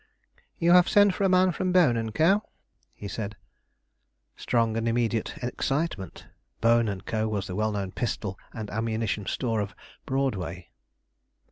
"You have sent for a man from Bohn & Co.," he said. Strong and immediate excitement. Bohn & Co. was the well known pistol and ammunition store of Broadway.